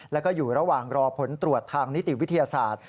แล้วก็อยู่ระหว่างรอผลตรวจทางนิติวิทยาศาสตร์